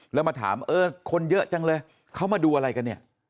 แล้วมาถามเออคนเยอะจังเลยเขามาดูอะไรกันเนี่ย